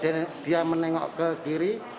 dan saat itu dia juga menengok ke kiri